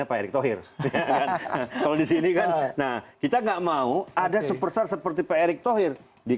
pak erik thohir kalau disini kan nah kita nggak mau ada superstar seperti pak erik thohir di